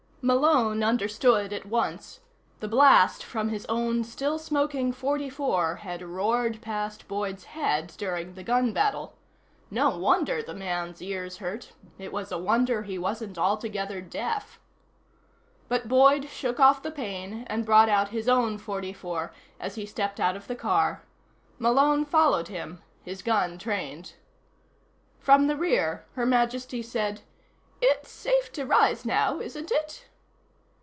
Malone understood at once. The blast from his own still smoking .44 had roared past Boyd's head during the gun battle. No wonder the man's ears hurt. It was a wonder he wasn't altogether deaf. But Boyd shook off the pain and brought out his own .44 as he stepped out of the car. Malone followed him, his gun trained. From the rear, Her Majesty said: "It's safe to rise now, isn't it?"